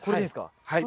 はい。